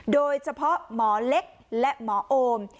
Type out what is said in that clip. โดยเฉพาะหมอเล็กและหมอโอม